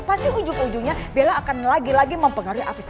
pasti ujung ujungnya bella akan lagi lagi mempengaruhi aktivitas